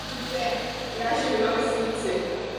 Služby musí žádat jádro o povolení.